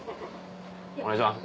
お願いします